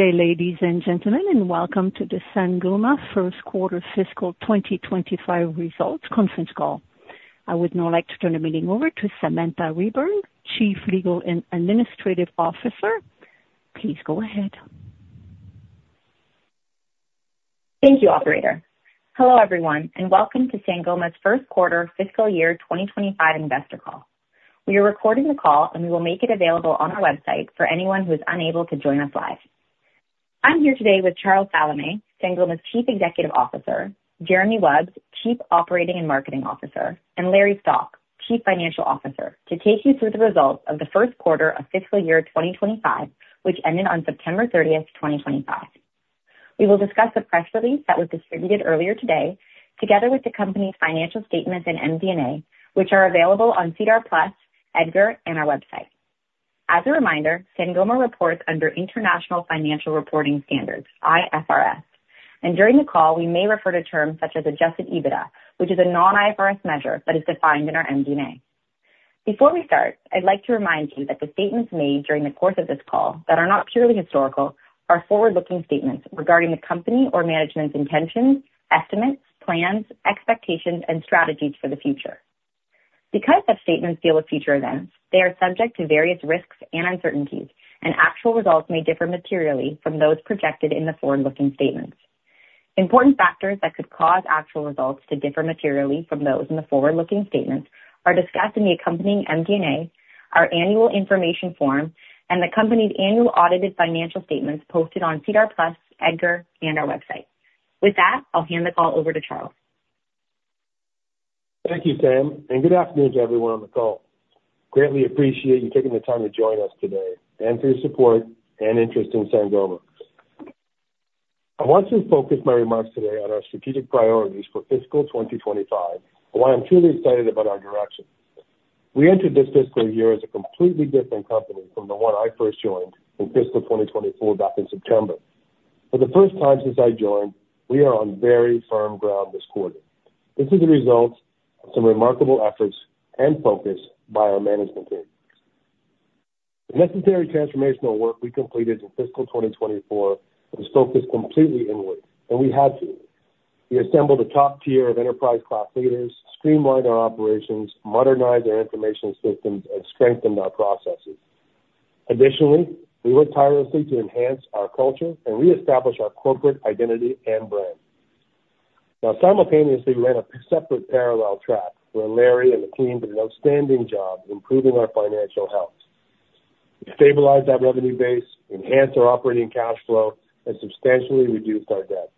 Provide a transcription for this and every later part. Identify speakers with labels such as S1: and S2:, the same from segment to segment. S1: Good day, ladies and gentlemen, and welcome to the Sangoma First Quarter Fiscal 2025 Results Conference Call. I would now like to turn the meeting over to Samantha Reburn, Chief Legal and Administrative Officer. Please go ahead.
S2: Thank you, Operator. Hello, everyone, and welcome to Sangoma's First Quarter Fiscal Year 2025 Investor Call. We are recording the call, and we will make it available on our website for anyone who is unable to join us live. I'm here today with Charles Salameh, Sangoma's Chief Executive Officer, Jeremy Wubs, Chief Operating and Marketing Officer, and Larry Stock, Chief Financial Officer, to take you through the results of the first quarter of Fiscal Year 2025, which ended on September 30, 2025. We will discuss the press release that was distributed earlier today, together with the company's financial statements and MD&A, which are available on SEDAR+, EDGAR, and our website. As a reminder, Sangoma reports under International Financial Reporting Standards, IFRS, and during the call, we may refer to terms such as adjusted EBITDA, which is a non-IFRS measure that is defined in our MD&A. Before we start, I'd like to remind you that the statements made during the course of this call that are not purely historical are forward-looking statements regarding the company or management's intentions, estimates, plans, expectations, and strategies for the future. Because such statements deal with future events, they are subject to various risks and uncertainties, and actual results may differ materially from those projected in the forward-looking statements. Important factors that could cause actual results to differ materially from those in the forward-looking statements are discussed in the accompanying MD&A, our annual information form, and the company's annual audited financial statements posted on SEDAR+, EDGAR, and our website. With that, I'll hand the call over to Charles.
S3: Thank you, Sam, and good afternoon to everyone on the call. Greatly appreciate you taking the time to join us today and for your support and interest in Sangoma. I want to focus my remarks today on our strategic priorities for fiscal 2025 and why I'm truly excited about our direction. We entered this fiscal year as a completely different company from the one I first joined in fiscal 2024 back in September. For the first time since I joined, we are on very firm ground this quarter. This is a result of some remarkable efforts and focus by our management team. The necessary transformational work we completed in fiscal 2024 was focused completely inward, and we had to. We assembled a top tier of enterprise-class leaders, streamlined our operations, modernized our information systems, and strengthened our processes. Additionally, we worked tirelessly to enhance our culture and reestablish our corporate identity and brand. Now, simultaneously, we ran a separate parallel track where Larry and the team did an outstanding job in improving our financial health. We stabilized our revenue base, enhanced our operating cash flow, and substantially reduced our debt.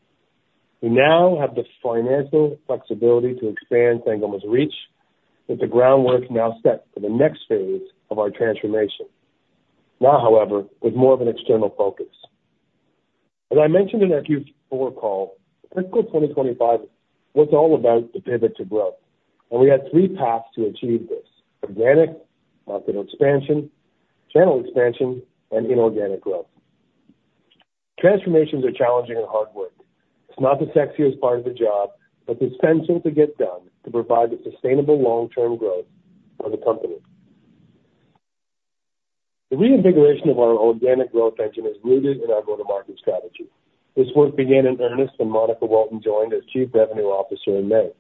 S3: We now have the financial flexibility to expand Sangoma's reach, with the groundwork now set for the next phase of our transformation. Now, however, with more of an external focus. As I mentioned in our Q4 call, fiscal 2025 was all about the pivot to growth, and we had three paths to achieve this: organic market expansion, channel expansion, and inorganic growth. Transformations are challenging and hard work. It's not the sexiest part of the job, but it's essential to get done to provide the sustainable long-term growth for the company. The reinvigoration of our organic growth engine is rooted in our go-to-market strategy. This work began in earnest when Monica Walton joined as Chief Revenue Officer in May.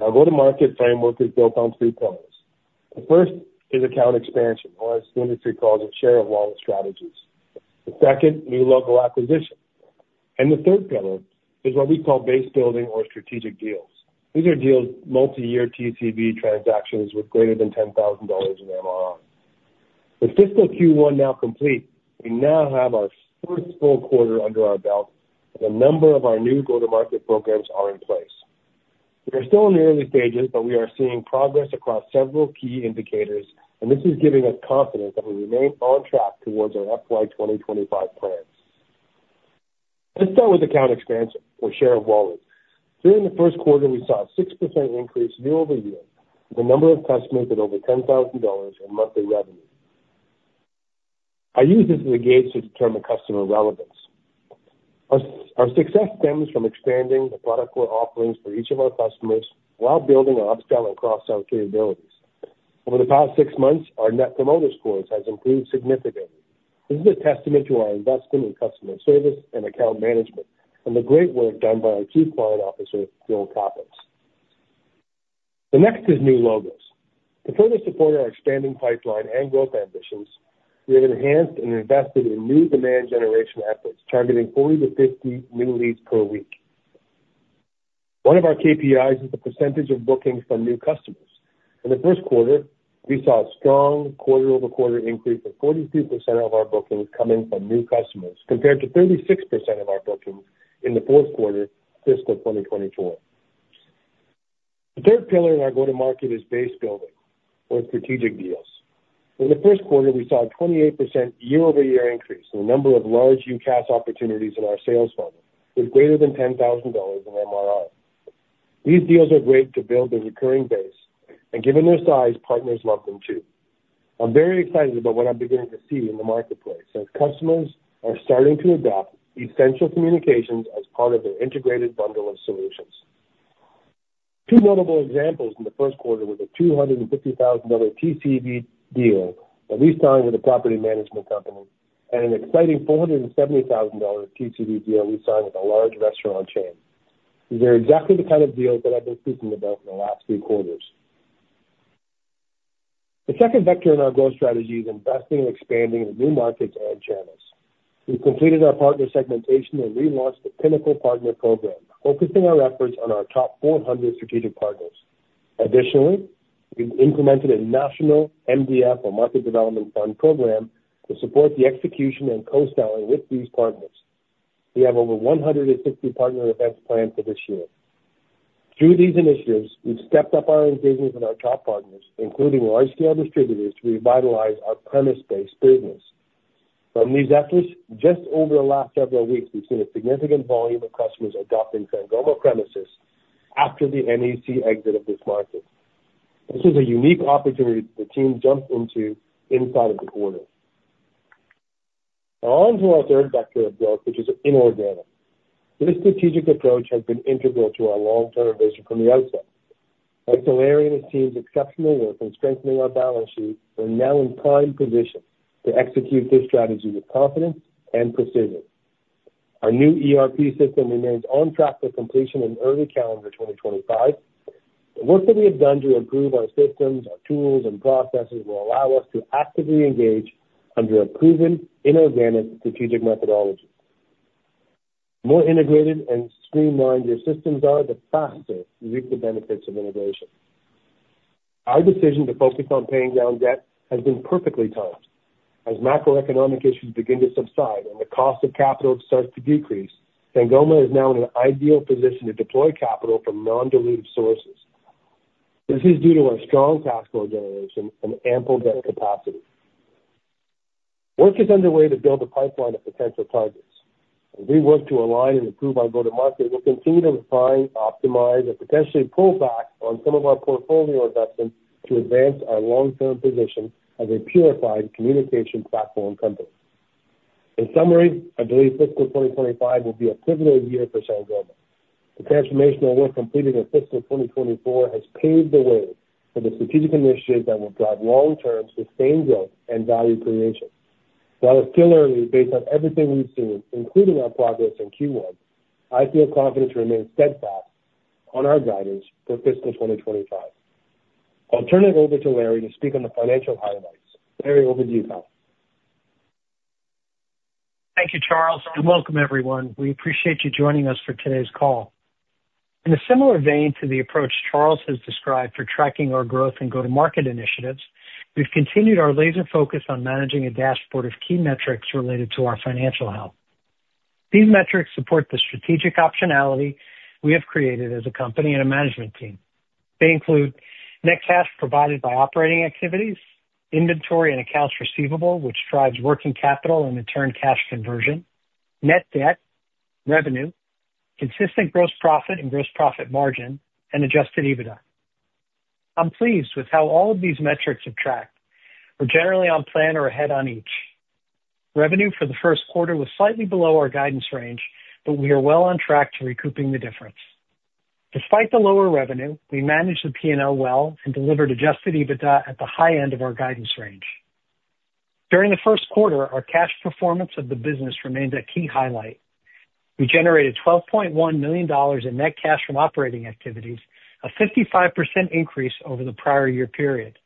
S3: Our go-to-market framework is built on three pillars. The first is account expansion, or as the industry calls it, share of wallet strategies. The second, new local acquisitions, and the third pillar is what we call base building or strategic deals. These are deals, multi-year TCV transactions with greater than $10,000 in MRR. With fiscal Q1 now complete, we now have our first full quarter under our belt, and a number of our new go-to-market programs are in place. We are still in the early stages, but we are seeing progress across several key indicators, and this is giving us confidence that we remain on track towards our FY 2025 plans. Let's start with account expansion or share of wallets. During the first quarter, we saw a 6% increase year over year, with a number of customers at over $10,000 in monthly revenue. I use this as a gauge to determine customer relevance. Our success stems from expanding the product core offerings for each of our customers while building our upsell and cross-sell capabilities. Over the past six months, our net promoter scores have improved significantly. This is a testament to our investment in customer service and account management and the great work done by our Chief Client Officer, Joel Kappes. The next is new logos. To further support our expanding pipeline and growth ambitions, we have enhanced and invested in new demand generation efforts, targeting 40-50 new leads per week. One of our KPIs is the percentage of bookings from new customers. In the first quarter, we saw a strong quarter-over-quarter increase of 43% of our bookings coming from new customers, compared to 36% of our bookings in the fourth quarter fiscal 2024. The third pillar in our go-to-market is base building or strategic deals. In the first quarter, we saw a 28% year-over-year increase in the number of large UCaaS opportunities in our sales funnel, with greater than $10,000 in MRR. These deals are great to build the recurring base, and given their size, partners love them too. I'm very excited about what I'm beginning to see in the marketplace as customers are starting to adopt essential communications as part of their integrated bundle of solutions. Two notable examples in the first quarter were the $250,000 TCV deal that we signed with a property management company and an exciting $470,000 TCV deal we signed with a large restaurant chain. These are exactly the kind of deals that I've been speaking about in the last three quarters. The second vector in our growth strategy is investing and expanding in new markets and channels. We've completed our partner segmentation and relaunched the Pinnacle Partner Program, focusing our efforts on our top 400 strategic partners. Additionally, we've implemented a national MDF, or Market Development Fund, program to support the execution and co-selling with these partners. We have over 160 partner events planned for this year. Through these initiatives, we've stepped up our engagements with our top partners, including large-scale distributors, to revitalize our premises-based business. From these efforts, just over the last several weeks, we've seen a significant volume of customers adopting Sangoma premises after the NEC exit of this market. This is a unique opportunity that the team jumped into inside of the quarter. Now, on to our third vector of growth, which is inorganic. This strategic approach has been integral to our long-term vision from the outset. Dr. Larry and his team's exceptional work in strengthening our balance sheet are now in prime position to execute this strategy with confidence and precision. Our new ERP system remains on track for completion in early calendar 2025. The work that we have done to improve our systems, our tools, and processes will allow us to actively engage under a proven, inorganic strategic methodology. The more integrated and streamlined your systems are, the faster you reap the benefits of integration. Our decision to focus on paying down debt has been perfectly timed. As macroeconomic issues begin to subside and the cost of capital starts to decrease, Sangoma is now in an ideal position to deploy capital from non-dilutive sources. This is due to our strong cash flow generation and ample debt capacity. Work is underway to build a pipeline of potential targets. As we work to align and improve our go-to-market, we'll continue to refine, optimize, and potentially pull back on some of our portfolio investments to advance our long-term position as a purified communication platform company. In summary, I believe fiscal 2025 will be a pivotal year for Sangoma. The transformational work completed in fiscal 2024 has paved the way for the strategic initiatives that will drive long-term sustained growth and value creation. While it's still early, based on everything we've seen, including our progress in Q1, I feel confident to remain steadfast on our guidance for fiscal 2025. I'll turn it over to Larry to speak on the financial highlights. Larry, over to you Lar.
S4: Thank you, Charles, and welcome, everyone. We appreciate you joining us for today's call. In a similar vein to the approach Charles has described for tracking our growth and go-to-market initiatives, we've continued our laser focus on managing a dashboard of key metrics related to our financial health. These metrics support the strategic optionality we have created as a company and a management team. They include net cash provided by operating activities, inventory and accounts receivable, which drives working capital and, in turn, cash conversion, net debt, revenue, consistent gross profit and gross profit margin, and adjusted EBITDA. I'm pleased with how all of these metrics have tracked. We're generally on plan or ahead on each. Revenue for the first quarter was slightly below our guidance range, but we are well on track to recouping the difference. Despite the lower revenue, we managed the P&L well and delivered adjusted EBITDA at the high end of our guidance range. During the first quarter, our cash performance of the business remains a key highlight. We generated $12.1 million in net cash from operating activities, a 55% increase over the prior year period.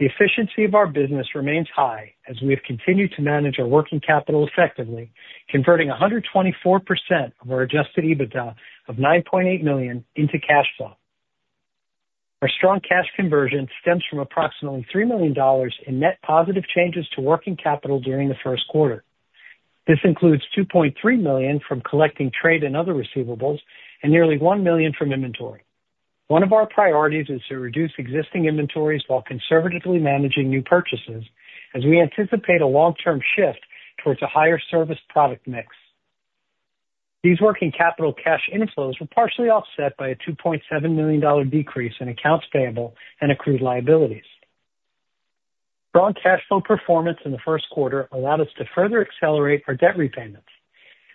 S4: The efficiency of our business remains high as we have continued to manage our working capital effectively, converting 124% of our adjusted EBITDA of $9.8 million into cash flow. Our strong cash conversion stems from approximately $3 million in net positive changes to working capital during the first quarter. This includes $2.3 million from collecting trade and other receivables and nearly $1 million from inventory. One of our priorities is to reduce existing inventories while conservatively managing new purchases as we anticipate a long-term shift towards a higher service product mix. These working capital cash inflows were partially offset by a $2.7 million decrease in accounts payable and accrued liabilities. Strong cash flow performance in the first quarter allowed us to further accelerate our debt repayments.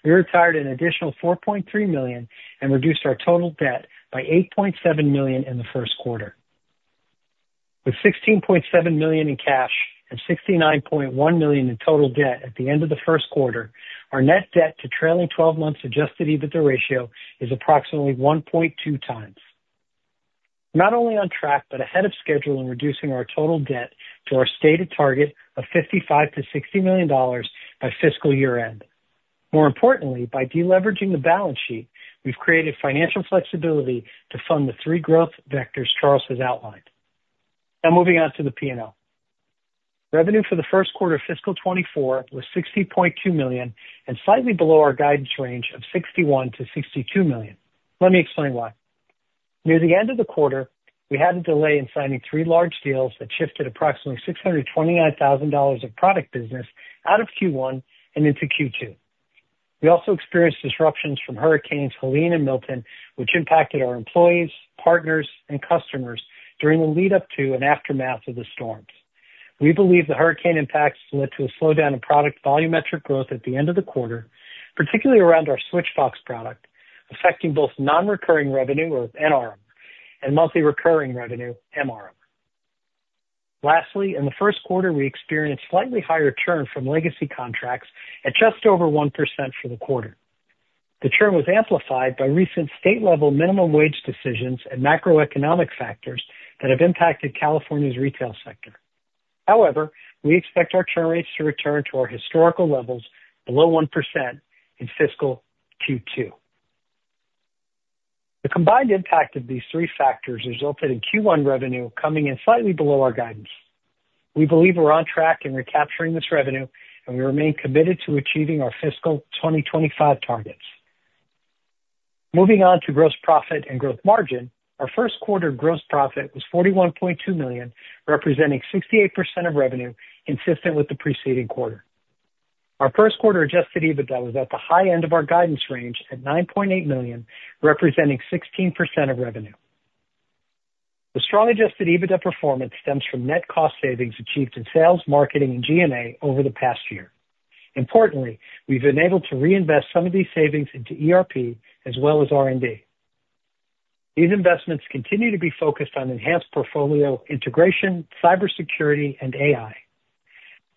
S4: We retired an additional $4.3 million and reduced our total debt by $8.7 million in the first quarter. With $16.7 million in cash and $69.1 million in total debt at the end of the first quarter, our net debt to trailing 12 months adjusted EBITDA ratio is approximately 1.2 times. We're not only on track but ahead of schedule in reducing our total debt to our stated target of $55-$60 million by fiscal year-end. More importantly, by deleveraging the balance sheet, we've created financial flexibility to fund the three growth vectors Charles has outlined. Now, moving on to the P&L. Revenue for the first quarter fiscal 24 was $60.2 million and slightly below our guidance range of $61-$62 million. Let me explain why. Near the end of the quarter, we had a delay in signing three large deals that shifted approximately $629,000 of product business out of Q1 and into Q2. We also experienced disruptions from hurricanes Helene and Milton, which impacted our employees, partners, and customers during the lead-up to and aftermath of the storms. We believe the hurricane impacts led to a slowdown in product volumetric growth at the end of the quarter, particularly around our Switchvox product, affecting both non-recurring revenue, or NRR, and monthly recurring revenue, MRR. Lastly, in the first quarter, we experienced slightly higher churn from legacy contracts at just over 1% for the quarter. The churn was amplified by recent state-level minimum wage decisions and macroeconomic factors that have impacted California's retail sector. However, we expect our churn rates to return to our historical levels below 1% in fiscal Q2. The combined impact of these three factors resulted in Q1 revenue coming in slightly below our guidance. We believe we're on track in recapturing this revenue, and we remain committed to achieving our fiscal 2025 targets. Moving on to gross profit and gross margin, our first quarter gross profit was $41.2 million, representing 68% of revenue, consistent with the preceding quarter. Our first quarter adjusted EBITDA was at the high end of our guidance range at $9.8 million, representing 16% of revenue. The strong adjusted EBITDA performance stems from net cost savings achieved in sales, marketing, and G&A over the past year. Importantly, we've been able to reinvest some of these savings into ERP as well as R&D. These investments continue to be focused on enhanced portfolio integration, cybersecurity, and AI.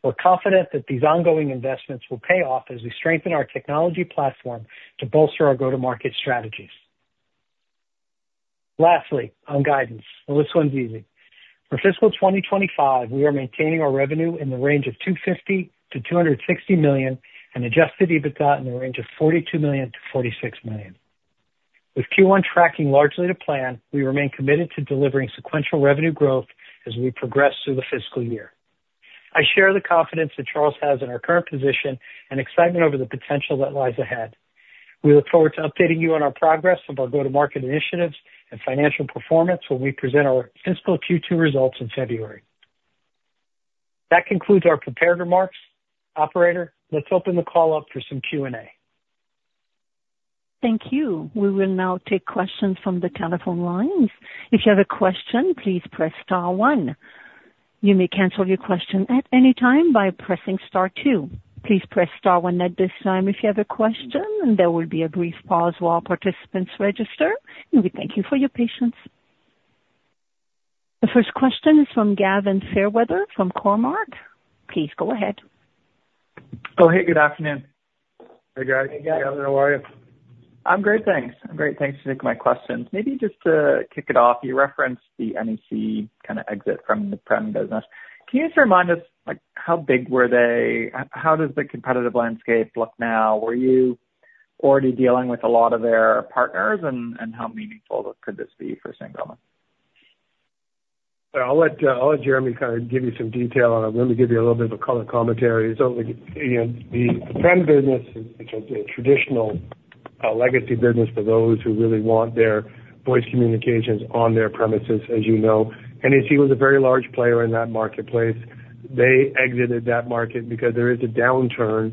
S4: We're confident that these ongoing investments will pay off as we strengthen our technology platform to bolster our go-to-market strategies. Lastly, on guidance, well, this one's easy. For fiscal 2025, we are maintaining our revenue in the range of $250-$260 million and adjusted EBITDA in the range of $42-$46 million. With Q1 tracking largely to plan, we remain committed to delivering sequential revenue growth as we progress through the fiscal year. I share the confidence that Charles has in our current position and excitement over the potential that lies ahead. We look forward to updating you on our progress of our go-to-market initiatives and financial performance when we present our fiscal Q2 results in February. That concludes our prepared remarks. Operator, let's o pen the call up for some Q&A.
S1: Thank you. We will now take questions from the telephone lines. If you have a question, please press Star 1. You may cancel your question at any time by pressing Star 2. Please press Star 1 at this time if you have a question, and there will be a brief pause while participants register, and we thank you for your patience. The first question is from Gavin Fairweather from Cormorant. Please go ahead.
S5: Oh, hey, good afternoon.
S3: Hey, Gavin. How are you?
S5: I'm great, thanks. I'm great, thanks for taking my questions. Maybe just to kick it off, you referenced the NEC kind of exit from the premises-based business. Can you just remind us, how big were they? How does the competitive landscape look now? Were you already dealing with a lot of their partners, and how meaningful could this be for Sangoma?
S3: I'll let Jeremy kind of give you some detail, and let me give you a little bit of color commentary. So the prem business, which is a traditional legacy business for those who really want their voice communications on their premises, as you know, NEC was a very large player in that marketplace. They exited that market because there is a downturn,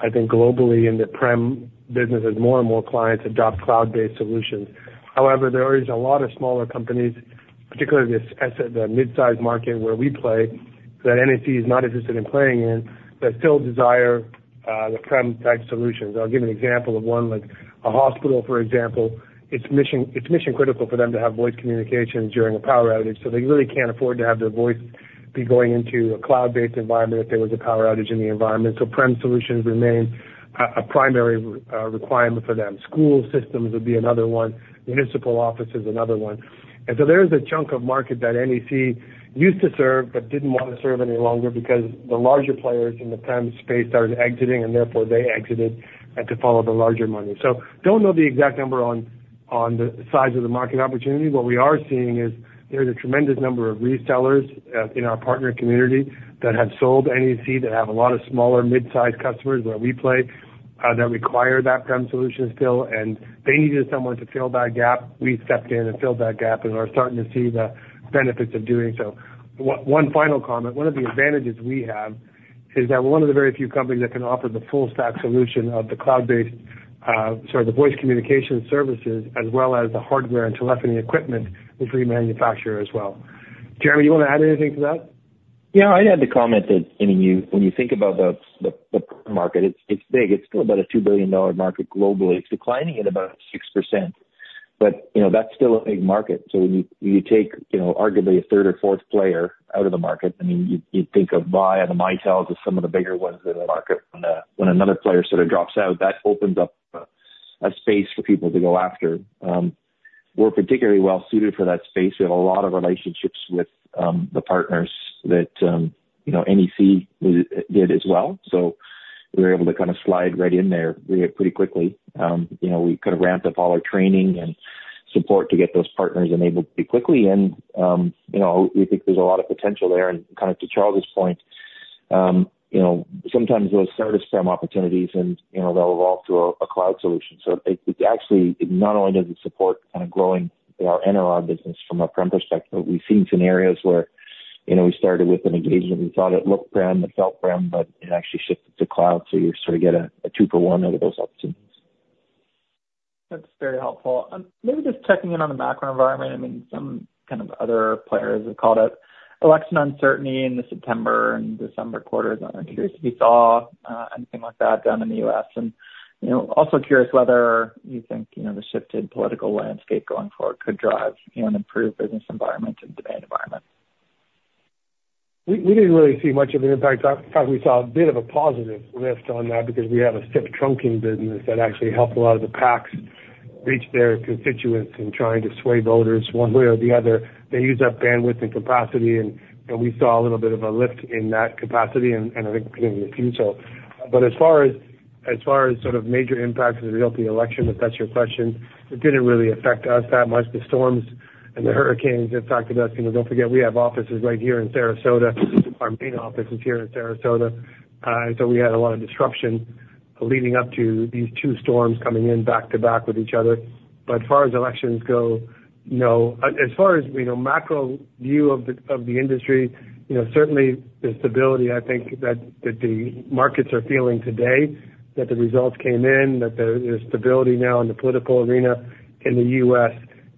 S3: I think, globally in the prem business as more and more clients adopt cloud-based solutions. However, there are a lot of smaller companies, particularly this mid-size market where we play, that NEC is not interested in playing in, that still desire the prem-type solutions. I'll give an example of one, like a hospital, for example. It's mission-critical for them to have voice communications during a power outage, so they really can't afford to have their voice be going into a cloud-based environment if there was a power outage in the environment, so prem solutions remain a primary requirement for them. School systems would be another one. Municipal offices, another one, and so there is a chunk of market that NEC used to serve but didn't want to serve any longer because the larger players in the prem space started exiting, and therefore they exited to follow the larger money, so don't know the exact number on the size of the market opportunity. What we are seeing is there's a tremendous number of resellers in our partner community that have sold NEC, that have a lot of smaller mid-size customers where we play that require that prem solution still, and they needed someone to fill that gap. We stepped in and filled that gap and are starting to see the benefits of doing so. One final comment. One of the advantages we have is that we're one of the very few companies that can offer the full-stack solution of the cloud-based, sorry, the voice communication services, as well as the hardware and telephony equipment, which we manufacture as well. Jeremy, you want to add anything to that?
S6: Yeah, I'd add the comment that, I mean, when you think about the market, it's big. It's still about a $2 billion market globally. It's declining at about 6%, but that's still a big market. So when you take arguably a third or fourth player out of the market, I mean, you think of Avaya and Mitel as some of the bigger ones in the market. When another player sort of drops out, that opens up a space for people to go after. We're particularly well-suited for that space. We have a lot of relationships with the partners that NEC did as well, so we were able to kind of slide right in there pretty quickly. We could have ramped up all our training and support to get those partners enabled pretty quickly, and we think there's a lot of potential there. And kind of to Charles' point, sometimes those start as prem opportunities, and they'll evolve to a cloud solution. So it actually not only does it support kind of growing our MRR business from a prem perspective, but we've seen scenarios where we started with an engagement. We thought it looked prem and felt prem, but it actually shifted to cloud, so you sort of get a two-for-one out of those opportunities.
S5: That's very helpful. Maybe just checking in on the macro environment. I mean, some kind of other players, they called it election uncertainty in the September and December quarters. I'm curious if you saw anything like that down in the U.S., and also curious whether you think the shifted political landscape going forward could drive an improved business environment and demand environment.
S3: We didn't really see much of an impact. In fact, we saw a bit of a positive lift on that because we have a SIP trunking business that actually helped a lot of the PACs reach their constituents in trying to sway voters one way or the other. They used up bandwidth and capacity, and we saw a little bit of a lift in that capacity, and I think continued to see so. But as far as sort of major impacts as a result of the election, if that's your question, it didn't really affect us that much. The storms and the hurricanes impacted us. Don't forget, we have offices right here in Sarasota. Our main office is here in Sarasota, and so we had a lot of disruption leading up to these two storms coming in back to back with each other. But as far as elections go, no. As far as macro view of the industry, certainly the stability, I think, that the markets are feeling today, that the results came in, that there's stability now in the political arena in the U.S.,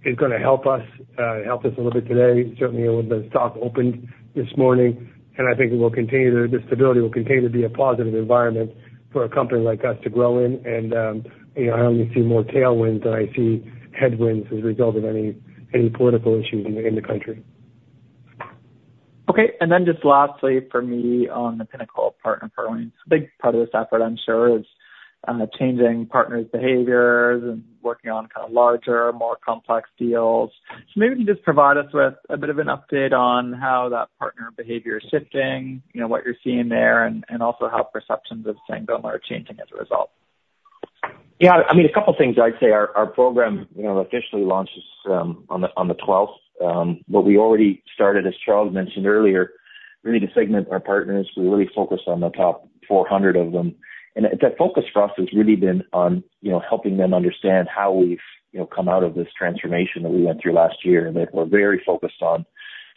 S3: is going to help us a little bit today. Certainly, when the stock opened this morning, and I think it will continue to, the stability will continue to be a positive environment for a company like us to grow in, and I only see more tailwinds than I see headwinds as a result of any political issues in the country.
S5: Okay. And then just lastly for me on the Pinnacle Partner Program, a big part of this effort, I'm sure, is changing partners' behaviors and working on kind of larger, more complex deals. So maybe you can just provide us with a bit of an update on how that partner behavior is shifting, what you're seeing there, and also how perceptions of Sangoma are changing as a result.
S6: Yeah. I mean, a couple of things I'd say. Our program officially launches on the 12th, but we already started, as Charles mentioned earlier, really to segment our partners. We really focus on the top 400 of them. And the focus for us has really been on helping them understand how we've come out of this transformation that we went through last year, and that we're very focused on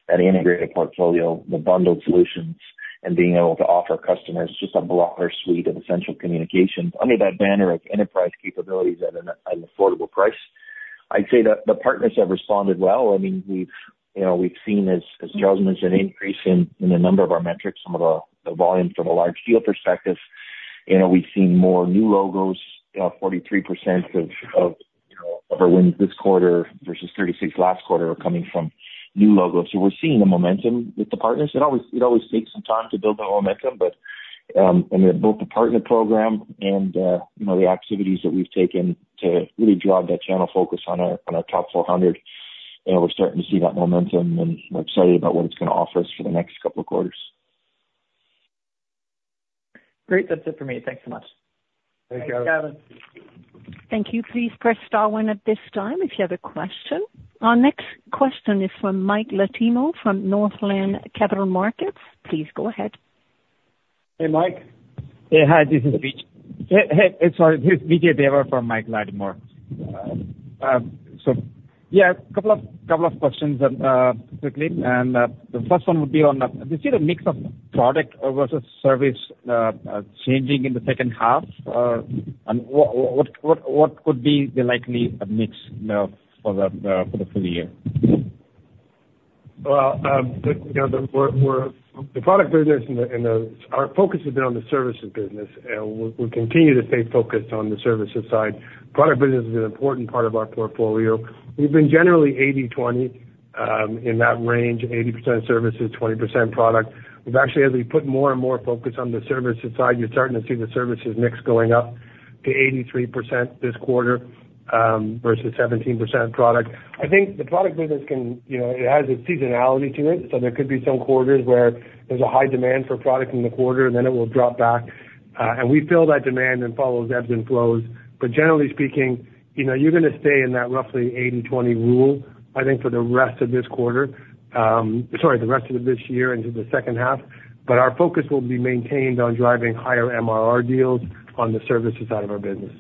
S6: that integrated portfolio, the bundled solutions, and being able to offer customers just a broader suite of essential communications under that banner of enterprise capabilities at an affordable price. I'd say that the partners have responded well. I mean, we've seen, as Charles mentioned, an increase in the number of our metrics, some of the volume from a large deal perspective. We've seen more new logos. 43% of our wins this quarter versus 36% last quarter are coming from new logos. So we're seeing the momentum with the partners. It always takes some time to build that momentum, but I mean, both the partner program and the activities that we've taken to really drive that channel focus on our top 400, we're starting to see that momentum, and we're excited about what it's going to offer us for the next couple of quarters.
S5: Great. That's it for me. Thanks so much.
S3: Thank you, Gavin.
S1: Thank you. Please press Star 1 at this time if you have a question. Our next question is from Mike Latimore from Northland Capital Markets. Please go ahead.
S3: Hey, Mike.
S7: Hey, hi. This is Mike Latimore. So, yeah, a couple of questions quickly. And the first one would be on, do you see the mix of product versus service changing in the second half? And what could be the likely mix for the full year?
S3: The product business and our focus has been on the services business, and we'll continue to stay focused on the services side. Product business is an important part of our portfolio. We've been generally 80/20 in that range, 80% services, 20% product. We've actually, as we put more and more focus on the services side, you're starting to see the services mix going up to 83% this quarter versus 17% product. I think the product business can, it has a seasonality to it, so there could be some quarters where there's a high demand for product in the quarter, and then it will drop back. And we fill that demand and follow ebbs and flows. But generally speaking, you're going to stay in that roughly 80/20 rule, I think, for the rest of this quarter. Sorry, the rest of this year into the second half. But our focus will be maintained on driving higher MRR deals on the services side of our business.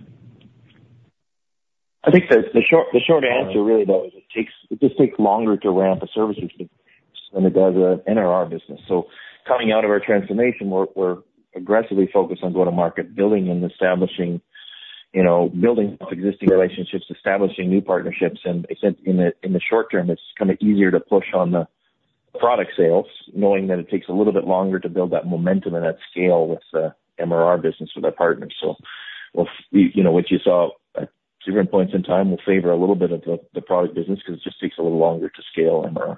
S6: I think the short answer really, though, is, it just takes longer to ramp a services business than it does an NRR business. So coming out of our transformation, we're aggressively focused on go-to-market, building and establishing, building existing relationships, establishing new partnerships. And in the short term, it's kind of easier to push on the product sales, knowing that it takes a little bit longer to build that momentum and that scale with the MRR business with our partners. So what you saw at different points in time will favor a little bit of the product business because it just takes a little longer to scale MRR.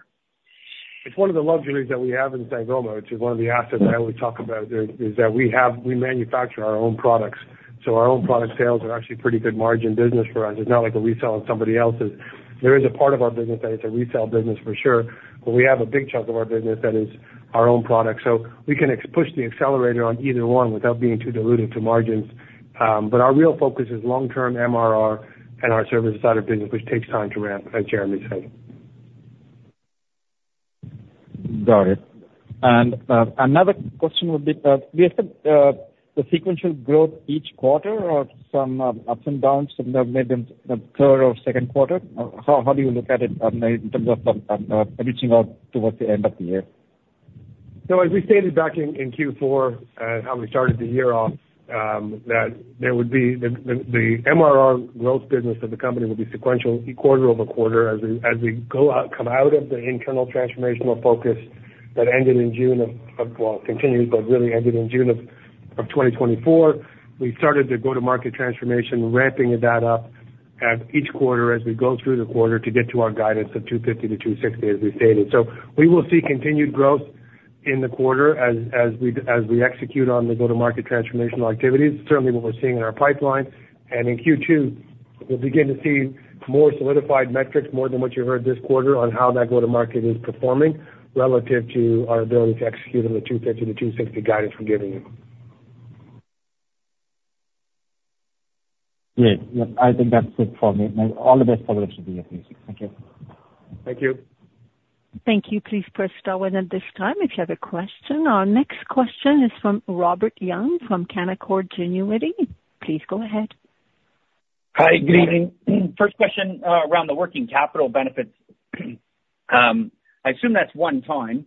S3: It's one of the luxuries that we have in Sangoma, which is one of the assets I always talk about, is that we manufacture our own products. So our own product sales are actually pretty good margin business for us. It's not like a resale of somebody else's. There is a part of our business that is a resale business for sure, but we have a big chunk of our business that is our own product. So we can push the accelerator on either one without being too diluted to margins. But our real focus is long-term MRR and our services side of business, which takes time to ramp, as Jeremy said.
S7: Got it. And another question would be, do you expect the sequential growth each quarter or some ups and downs that may be in the third or second quarter? How do you look at it in terms of reaching out towards the end of the year?
S3: So, as we stated back in Q4 how we started the year off, that there would be the MRR growth business of the company will be sequential quarter over quarter as we come out of the internal transformational focus that ended in June of, well, continues, but really ended in June of 2024. We started the go-to-market transformation, ramping that up each quarter as we go through the quarter to get to our guidance of 250-260, as we stated. So we will see continued growth in the quarter as we execute on the go-to-market transformational activities, certainly what we're seeing in our pipeline. And in Q2, we'll begin to see more solidified metrics, more than what you heard this quarter, on how that go-to-market is performing relative to our ability to execute on the 250-260 guidance we're giving you.
S7: Great. I think that's it for me. All the best for the rest of the year, please. Thank you.
S3: Thank you.
S1: Thank you. Please press Star 1 at this time if you have a question. Our next question is from Robert Young from Canaccord Genuity. Please go ahead.
S8: Hi. Good evening. First question around the working capital benefits. I assume that's one time,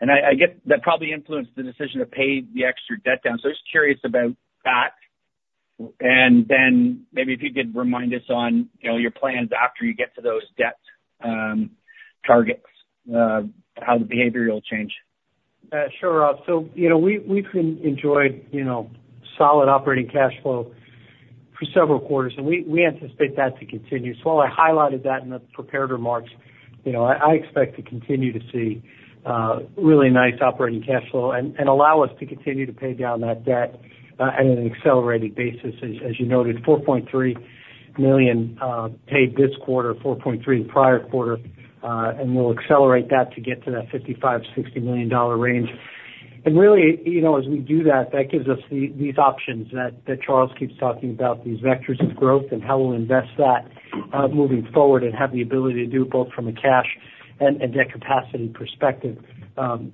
S8: and I guess that probably influenced the decision to pay the extra debt down. So I'm just curious about that, and then maybe if you could remind us on your plans after you get to those debt targets, how the behavior will change.
S3: Sure, Rob. So we've enjoyed solid operating cash flow for several quarters, and we anticipate that to continue. So while I highlighted that in the prepared remarks, I expect to continue to see really nice operating cash flow and allow us to continue to pay down that debt at an accelerated basis, as you noted, $4.3 million paid this quarter, $4.3 million the prior quarter, and we'll accelerate that to get to that $55-$60 million range. And really, as we do that, that gives us these options that Charles keeps talking about, these vectors of growth and how we'll invest that moving forward and have the ability to do both from a cash and debt capacity perspective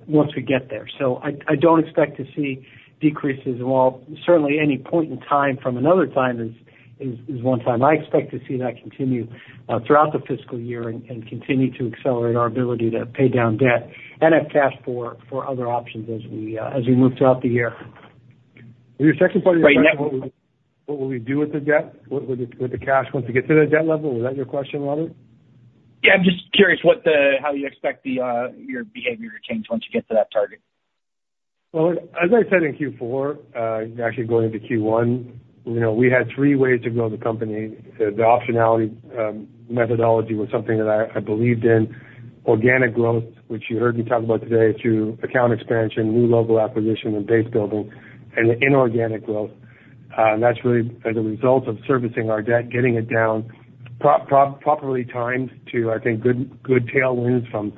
S3: once we get there. I don't expect to see decreases. While certainly at any point in time from one time to another, I expect to see that continue throughout the fiscal year and continue to accelerate our ability to pay down debt and have cash for other options as we move throughout the year. Your second question is about what will we do with the debt, with the cash once we get to that debt level? Was that your question, Robert?
S8: Yeah. I'm just curious how you expect your behavior to change once you get to that target?
S3: As I said in Q4, actually going into Q1, we had three ways to grow the company. The optionality methodology was something that I believed in: organic growth, which you heard me talk about today, through account expansion, new local acquisition, and base building, and the inorganic growth. That's really as a result of servicing our debt, getting it down properly timed to, I think, good tailwinds from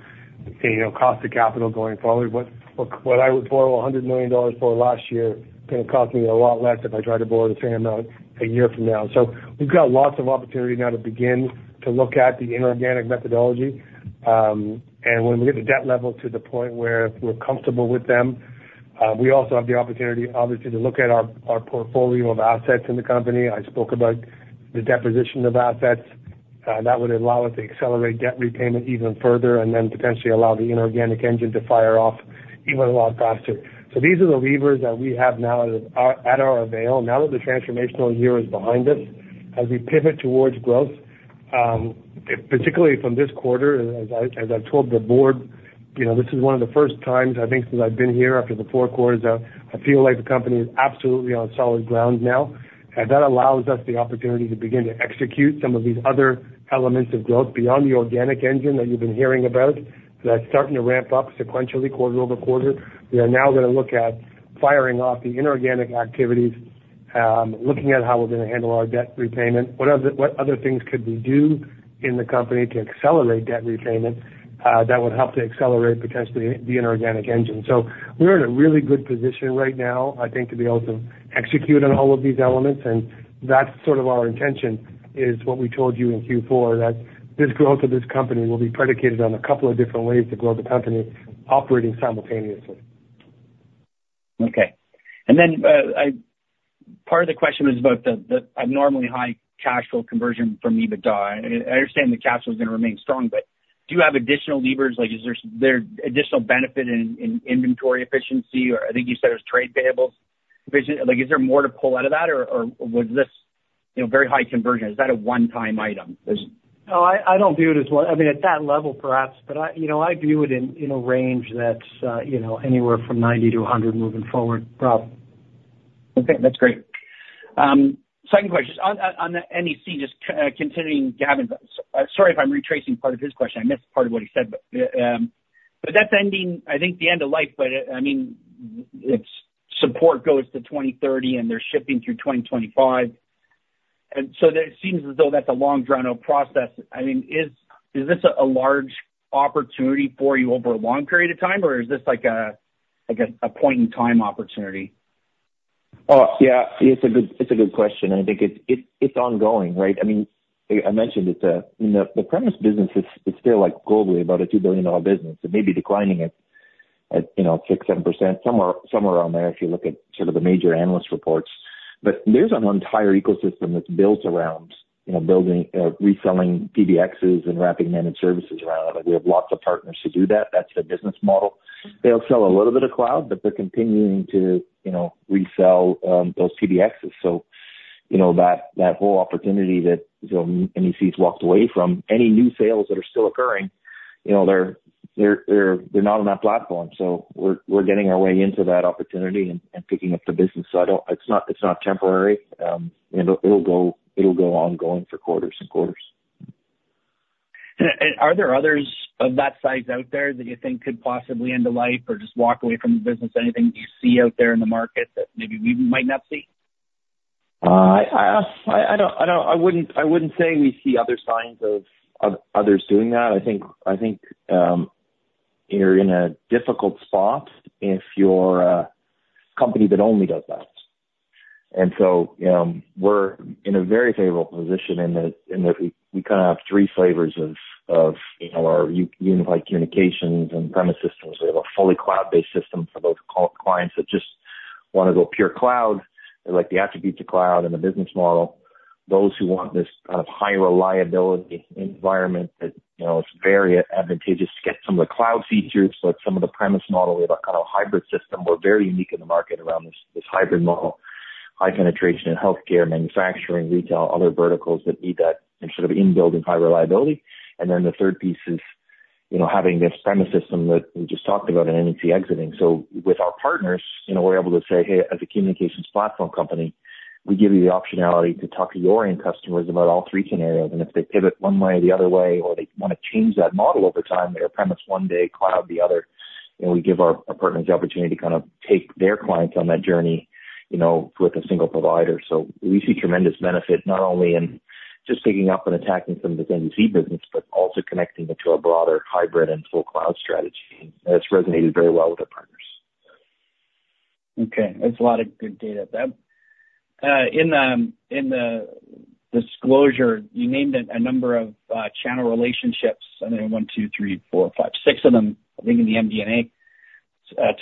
S3: cost of capital going forward. What I would borrow $100 million for last year is going to cost me a lot less if I try to borrow the same amount a year from now. So we've got lots of opportunity now to begin to look at the inorganic methodology. When we get the debt level to the point where we're comfortable with them, we also have the opportunity, obviously, to look at our portfolio of assets in the company. I spoke about the disposition of assets. That would allow us to accelerate debt repayment even further and then potentially allow the inorganic engine to fire off even a lot faster. So these are the levers that we have now at our disposal. Now that the transformational year is behind us, as we pivot towards growth, particularly from this quarter, as I've told the board, this is one of the first times, I think, since I've been here after the four quarters, that I feel like the company is absolutely on solid ground now, and that allows us the opportunity to begin to execute some of these other elements of growth beyond the organic engine that you've been hearing about that's starting to ramp up sequentially quarter over quarter. We are now going to look at firing off the inorganic activities, looking at how we're going to handle our debt repayment, what other things could we do in the company to accelerate debt repayment that would help to accelerate potentially the inorganic engine, so we're in a really good position right now, I think, to be able to execute on all of these elements, and that's sort of our intention, is what we told you in Q4, that this growth of this company will be predicated on a couple of different ways to grow the company operating simultaneously.
S8: Okay. And then part of the question was about the abnormally high cash flow conversion from EBITDA. I understand the cash flow is going to remain strong, but do you have additional levers? Is there additional benefit in inventory efficiency? I think you said it was trade payables. Is there more to pull out of that, or was this very high conversion? Is that a one-time item?
S4: No, I don't view it as one. I mean, at that level, perhaps, but I view it in a range that's anywhere from 90-100 moving forward, Rob.
S8: Okay. That's great. Second question on the NEC, just continuing Gavin. Sorry if I'm retracing part of his question. I missed part of what he said. But that's ending, I think, the end of life. But I mean, its support goes to 2030, and they're shipping through 2025. And so it seems as though that's a long drawn-out process. I mean, is this a large opportunity for you over a long period of time, or is this like a point-in-time opportunity?
S6: Oh, yeah. It's a good question. I think it's ongoing, right? I mean, I mentioned it's the premises business is still globally about a $2 billion business. It may be declining at 6-7%, somewhere around there if you look at sort of the major analyst reports. But there's an entire ecosystem that's built around reselling PBXs and wrapping managed services around it. We have lots of partners to do that. That's the business model. They'll sell a little bit of cloud, but they're continuing to resell those PBXs. So that whole opportunity that NEC has walked away from, any new sales that are still occurring, they're not on that platform. So we're getting our way into that opportunity and picking up the business. So it's not temporary. It'll go ongoing for quarters and quarters.
S8: Are there others of that size out there that you think could possibly end of life or just walk away from the business? Anything you see out there in the market that maybe we might not see?
S6: I don't know. I wouldn't say we see other signs of others doing that. I think you're in a difficult spot if you're a company that only does that. And so we're in a very favorable position in that we kind of have three flavors of our unified communications and premise systems. We have a fully cloud-based system for those clients that just want to go pure cloud, like the attributes of cloud and the business model. Those who want this kind of high reliability environment that it's very advantageous to get some of the cloud features. But some of the premise model, we have a kind of hybrid system. We're very unique in the market around this hybrid model. High penetration in healthcare, manufacturing, retail, other verticals that need that sort of in-building high reliability. And then the third piece is having this premises system that we just talked about and NEC exiting. So with our partners, we're able to say, "Hey, as a communications platform company, we give you the optionality to talk to your end customers about all three scenarios." And if they pivot one way, the other way, or they want to change that model over time, they're a premises one day, cloud the other. And we give our partners the opportunity to kind of take their clients on that journey with a single provider. So we see tremendous benefit, not only in just picking up and attacking some of the NEC business, but also connecting it to a broader hybrid and full cloud strategy. And that's resonated very well with our partners.
S8: Okay. That's a lot of good data, then. In the disclosure, you named a number of channel relationships. I think one, two, three, four, five, six of them, I think, in the MD&A: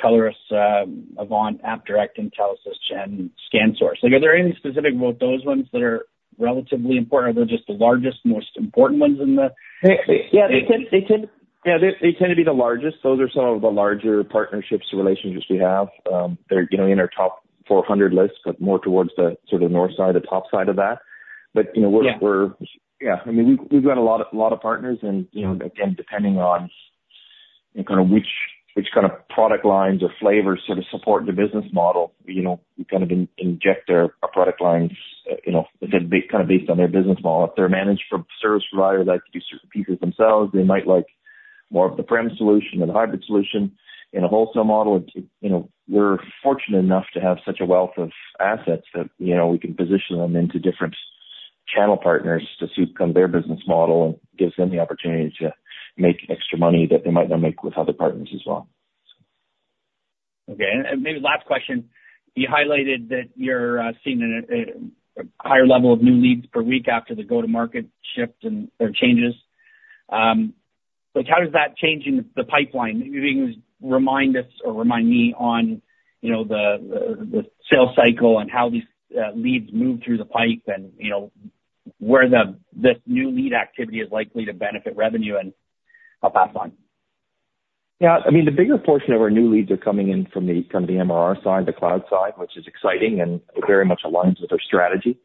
S8: Telarus, Avant, AppDirect, Intelisys, and ScanSource. Are there any specific those ones that are relatively important, or they're just the largest, most important ones in the?
S6: Yeah. Yeah. They tend to be the largest. Those are some of the larger partnerships and relationships we have. They're in our top 400 list, but more towards the sort of north side, the top side of that. But we're yeah. I mean, we've got a lot of partners. And again, depending on kind of which kind of product lines or flavors sort of support the business model, we kind of inject our product lines kind of based on their business model. If they're managed service providers that do certain pieces themselves, they might like more of the prem solution and the hybrid solution in a wholesale model. We're fortunate enough to have such a wealth of assets that we can position them into different channel partners to suit kind of their business model and gives them the opportunity to make extra money that they might not make with other partners as well.
S8: Okay, and maybe last question. You highlighted that you're seeing a higher level of new leads per week after the go-to-market shift or changes. How does that change in the pipeline? You can remind us or remind me on the sales cycle and how these leads move through the pipe and where this new lead activity is likely to benefit revenue, and I'll pass on.
S6: Yeah. I mean, the bigger portion of our new leads are coming in from the MRR side, the cloud side, which is exciting and very much aligns with our strategy.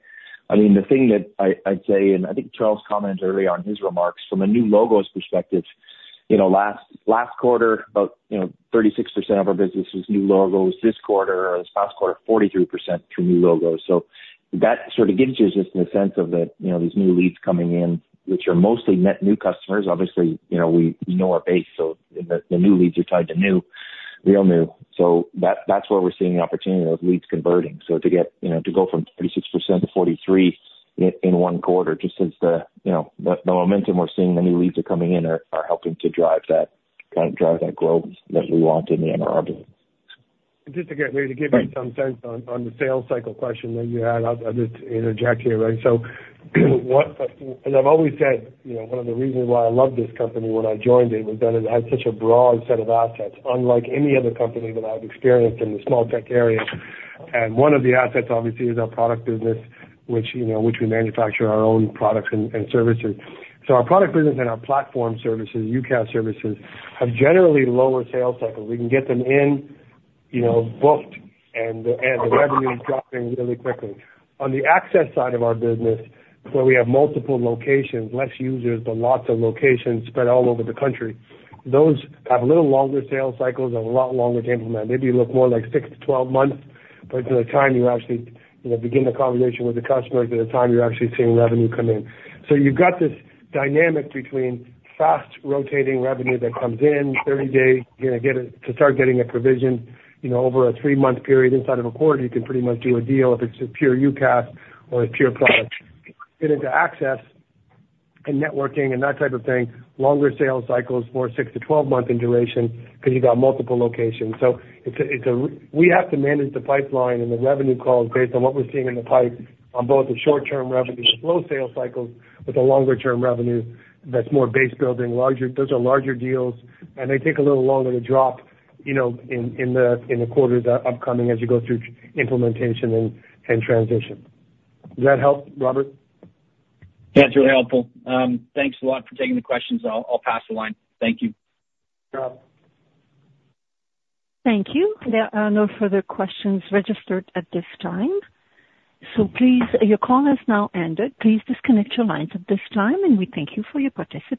S6: I mean, the thing that I'd say, and I think Charles commented early on his remarks from a new logos perspective, last quarter, about 36% of our business was new logos. This quarter, or this past quarter, 43% through new logos. So that sort of gives you just the sense of that these new leads coming in, which are mostly net new customers. Obviously, we know our base, so the new leads are tied to new, real new. So that's where we're seeing the opportunity of those leads converting. So to go from 36% to 43% in one quarter, just since the momentum we're seeing, the new leads are coming in, are helping to drive that kind of growth that we want in the MRR business.
S3: Just to get some sense on the sales cycle question that you had, I'll just interject here, right? So as I've always said, one of the reasons why I loved this company when I joined it was that it had such a broad set of assets, unlike any other company that I've experienced in the small tech area. And one of the assets, obviously, is our product business, which we manufacture our own products and services. So our product business and our platform services, UCaaS services, have generally lower sales cycles. We can get them in booked, and the revenue is dropping really quickly. On the access side of our business, where we have multiple locations, less users, but lots of locations spread all over the country, those have a little longer sales cycles and a lot longer to implement. Maybe you look more like six to 12 months, but it's the time you actually begin the conversation with the customers. It's the time you're actually seeing revenue come in. So you've got this dynamic between fast rotating revenue that comes in, 30 days, you're going to get it to start getting a provision. Over a three-month period, inside of a quarter, you can pretty much do a deal if it's a pure UCaaS or a pure product. Then into access and networking and that type of thing, longer sales cycles for six to 12 months in duration because you've got multiple locations. So we have to manage the pipeline and the revenue calls based on what we're seeing in the pipe on both the short-term revenue with low sales cycles with a longer-term revenue that's more base building. Those are larger deals, and they take a little longer to drop in the quarters upcoming as you go through implementation and transition. Does that help, Robert?
S8: Yeah. It's really helpful. Thanks a lot for taking the questions. I'll pass the line. Thank you.
S1: Thank you. There are no further questions registered at this time. So please, your call has now ended. Please disconnect your lines at this time, and we thank you for your participation.